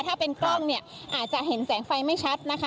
ถ้าเป็นกล้องเนี่ยอาจจะเห็นแสงไฟไม่ชัดนะคะ